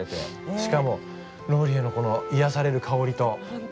しかもローリエのこの癒やされる香りと最高。